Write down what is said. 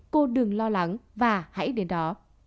cô đừng lo lắng và hãy đến đó